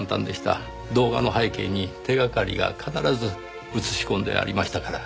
動画の背景に手掛かりが必ず映し込んでありましたから。